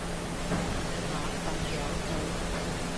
下，咁有趣